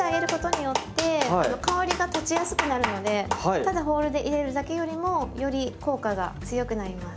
ただホールで入れるだけよりもより効果が強くなります。